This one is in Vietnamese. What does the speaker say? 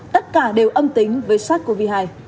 tất cả đều âm tính với sars cov hai